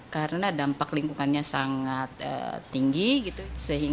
karena dampak lingkungannya sangat tinggi